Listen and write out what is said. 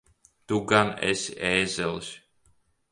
Tu gan esi ēzelis!